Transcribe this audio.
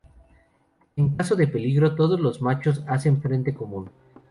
En caso de peligro todos los machos hacen frente común.